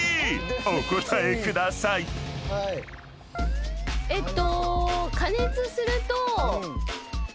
お答えください］えっと。